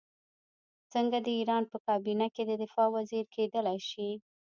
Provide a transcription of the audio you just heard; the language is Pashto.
څنګه د ایران په کابینه کې د دفاع وزیر کېدلای شي.